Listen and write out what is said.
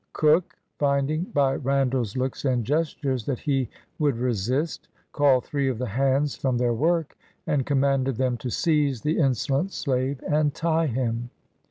Cook, finding by Randall's looks and ges tures that he would resist, called three of the hands from their work, and commanded them to seize the insolent slave and tie him.